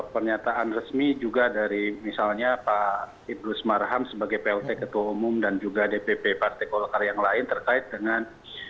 pernyataan resmi juga dari misalnya pak idrus marham sebagai plt ketua umum dan juga dpp partai golkar yang lain terkait dengan